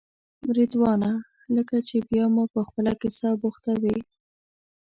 رضوانه لکه چې بیا مو په خپله کیسه بوختوې.